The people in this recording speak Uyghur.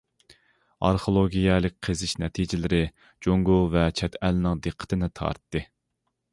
ئارخېئولوگىيەلىك قېزىش نەتىجىلىرى جۇڭگو ۋە چەت ئەلنىڭ دىققىتىنى تارتتى.